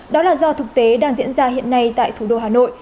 đó là do thực tế đang diễn ra hiện nay tại thủ đô hà nội